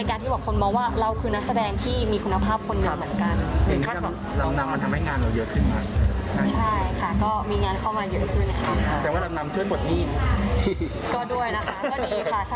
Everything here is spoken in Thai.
การที่บอกคนมองว่าเราคือนักแสดงที่มีคุณภาพคนงานเหมือนกัน